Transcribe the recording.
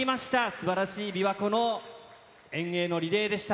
すばらしいびわ湖の遠泳のリレーでした。